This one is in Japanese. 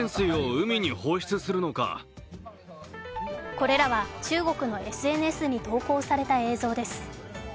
これらは中国のＳＮＳに投稿された映像です。